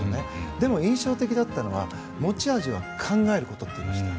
でも印象的だったのは持ち味は考えることって言いました。